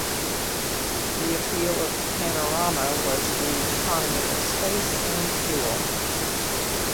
The appeal of Panorama was the economy of space and fuel.